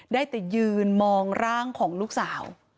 ได้แต่ยืนมองร่างของลูกสาว